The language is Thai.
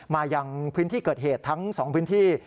มายังพื้นที่เกิดเหตุทั้ง๒พื้นที่